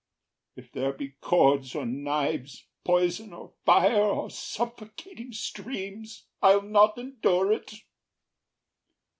If there be cords or knives, Poison or fire, or suffocating streams, I’ll not endure ’t.